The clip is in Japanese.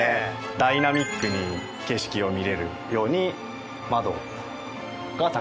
ダイナミックに景色を見れるように窓がたくさんついています。